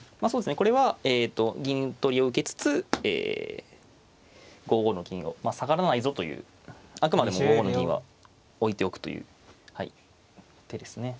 これは銀取りを受けつつえ５五の銀を下がらないぞというあくまでも５五の銀は置いておくという手ですね。